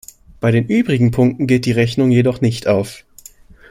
Bei den übrigen Punkten geht die Rechnung jedoch nicht auf.